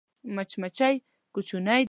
مچمچۍ کوچنۍ ده خو ډېر کار کوي